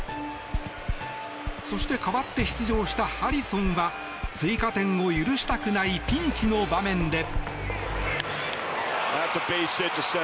そして、代わって出場したハリソンは追加点を許したくないピンチの場面で。